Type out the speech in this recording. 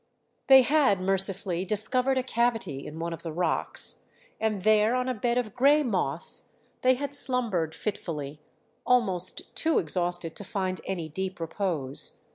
They had mercifully discovered a cavity in one of the rocks, and there on a bed of grey moss they had slumbered fitfully, almost too exhausted to find any deep repose.